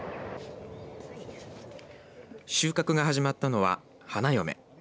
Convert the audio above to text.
収穫が始まったのは、はなよめ。